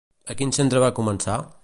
A quin centre va començar?